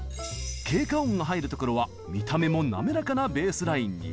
「経過音」が入るところは見た目もなめらかなベースラインに。